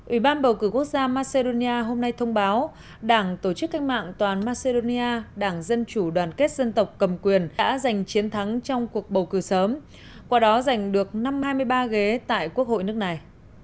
ủy ban bầu cử quốc gia macedonia hôm nay thông báo đảng tổ chức cách mạng toàn macedonia đảng dân chủ đoàn kết dân tộc cầm quyền đã giành chiến thắng trong cuộc bầu cử sớm qua đó giành được năm hai mươi ba ghế tại quốc hội nước này